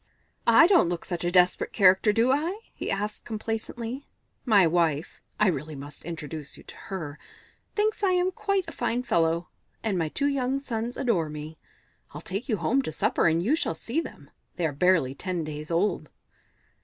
"I don't look such a desperate character, do I?" he asked complacently. "My wife I must really introduce you to her thinks I am quite a fine fellow, and my two young sons adore me. I'll take you home to supper, and you shall see them. They are barely ten days old."